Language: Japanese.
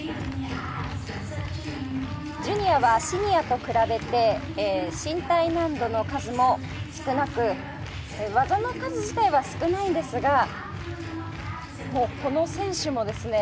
ジュニアはシニアと比べて身体難度の数も少なく技の数自体は少ないんですがもうこの選手もですね